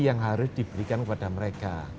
yang harus diberikan kepada mereka